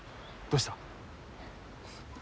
どうした？